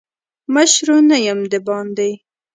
مشرو نه یم دباندي.